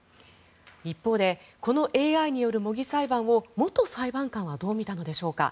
一方でこのＡＩによる模擬裁判を元裁判官はどう見たのでしょうか。